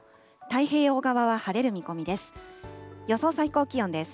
太平洋側は晴れる見込みです。